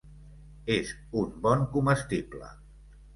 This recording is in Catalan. És un bon comestible.